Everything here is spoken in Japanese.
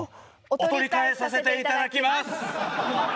お取り換えさせていただきます